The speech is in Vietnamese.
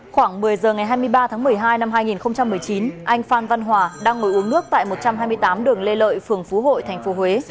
khoảng một mươi giờ ngày hai mươi ba tháng một mươi hai năm hai nghìn một mươi chín anh phan văn hòa đang ngồi uống nước tại một trăm hai mươi tám đường lê lợi phường phú hội tp huế